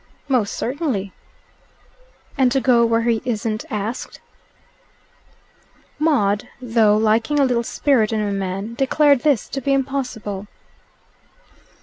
"Most certainly." "And to go where he isn't asked?" Maud, though liking a little spirit in a man, declared this to be impossible.